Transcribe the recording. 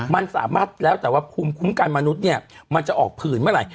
มันสามารถแล้วแต่ว่าภูมิคุ้มกันมนุษย์เนี่ยมันจะออกผื่นเมื่อไหร่